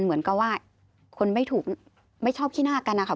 เหมือนกับว่าคนไม่ถูกไม่ชอบขี้หน้ากันนะคะ